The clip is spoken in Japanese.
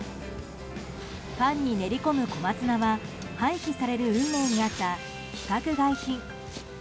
パンに練り込む小松菜は廃棄される運命にあった規格外品。